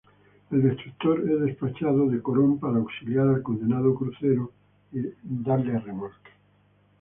El destructor es despachado de Corón para auxiliar al condenado crucero y dar remolque.